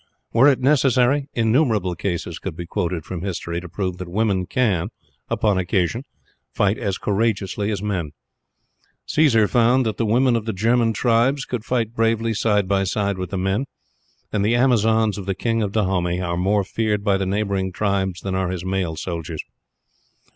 Were it necessary, innumerable cases could be quoted from history to prove that women can, upon occasion, fight as courageously as men. Cæsar found that the women of the German tribes could fight bravely side by side with the men, and the Amazons of the King of Dahomey are more feared by the neighboring tribes than are his male soldiers.